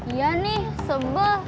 iya nih sebeh